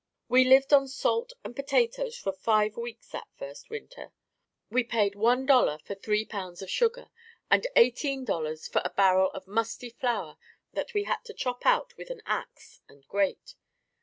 We lived on salt and potatoes for five weeks that first winter. We paid $1.00 for three pounds of sugar and $18.00 for a barrel of musty flour that we had to chop out with an ax and grate.